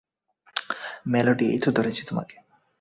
Melody, এইতো ধরেছি তোমাকে।